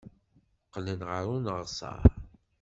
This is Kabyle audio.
Qqlen ɣer uneɣsar.